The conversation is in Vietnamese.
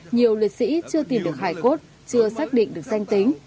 nhiều liệt sĩ chưa tìm được hải cốt chưa xác định được danh tính